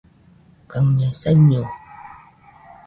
kaiñaɨ saiño